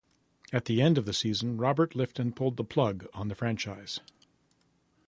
At the end of the season, Robert Lifton pulled the plug on the franchise.